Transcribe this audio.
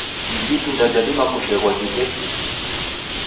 Iji itunda jadima kusheghwa jiw'uye juisi.